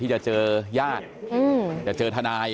ทีมข่าวเราก็พยายามสอบปากคำในแหบนะครับ